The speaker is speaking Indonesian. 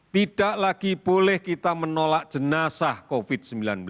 tidak lagi boleh kita menolak jenazah covid sembilan belas